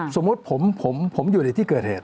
สมมุติผมอยู่ในที่เกิดเหตุ